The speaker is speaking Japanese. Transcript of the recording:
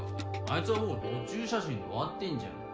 あいつはもう路チュー写真で終わってんじゃん。